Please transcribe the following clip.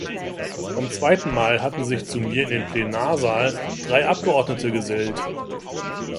Beim zweiten Mal hatten sich zu mir in den Plenarsaal drei Abgeordnete gesellt.